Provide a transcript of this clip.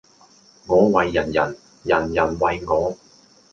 我為人人，人人為我